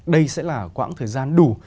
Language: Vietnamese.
đây sẽ là quãng thời gian đủ